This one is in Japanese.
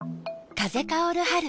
風薫る春。